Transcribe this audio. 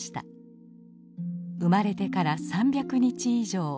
生まれてから３００日以上。